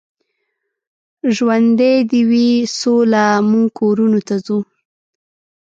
ژوندۍ دې وي سوله، موږ کورونو ته ځو.